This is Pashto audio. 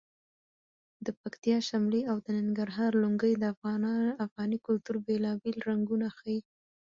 د پکتیا شملې او د ننګرهار لنګۍ د افغاني کلتور بېلابېل رنګونه ښیي.